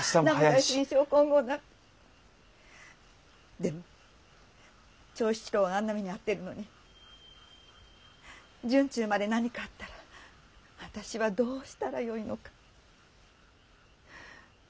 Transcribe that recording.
でも長七郎があんな目に遭ってるのに惇忠まで何かあったら私はどうしたらよいのか。